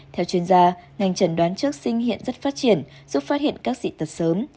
theo chuyên gia ngành trần đoán trước sinh hiện rất phát triển giúp phát hiện các dị tật sớm